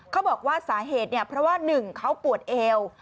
เขาบอกว่าสาเหตุเพราะว่า๑เขาปวดเอว